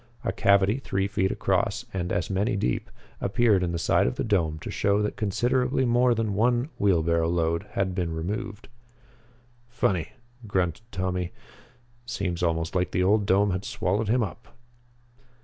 A cavity three feet across, and as many deep, appeared in the side of the dome to show that considerably more than one wheelbarrow load had been removed. "Funny," grunted Tommy. "Seems almost like the old dome had swallowed him up."